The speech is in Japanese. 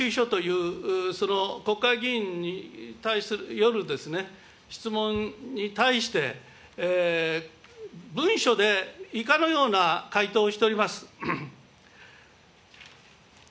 しゅい書というその国会議員による質問に対して、文書で以下のような回答をしております。